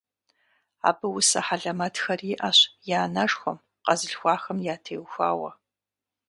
Абы усэ хьэлэмэтхэр иӀэщ и анэшхуэм, къэзылъхуахэм ятеухуауэ.